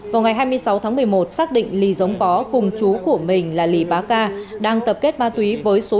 vào ngày hai mươi sáu tháng một mươi một xác định lì giống pó cùng chú của mình là lì bá ca đang tập kết ma tuỷ với số